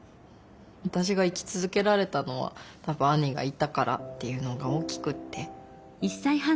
私が生き続けられたのは多分兄がいたからっていうのが大きくって。